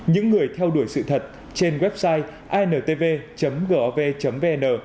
những người theo đuổi sự thật trên website intv gov vn